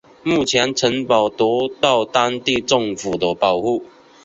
目前城堡得到当地政府的保护。